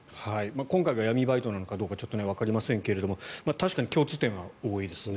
今回が闇バイトなのかどうかちょっとわかりませんけど確かに共通点は多いですね。